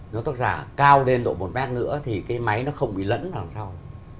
nó tốt ra cao lên độ một mét nữa thì cái máy nó không bị lẫn làm sao